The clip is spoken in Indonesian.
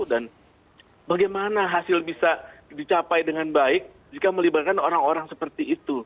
dan bagaimana hasil bisa dicapai dengan baik jika melibatkan orang orang seperti itu